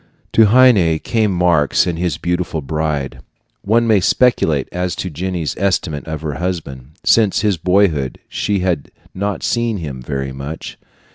To Heine came Marx and his beautiful bride. One may speculate as to Jenny's estimate of her husband. Since his boyhood, she had not seen him very much.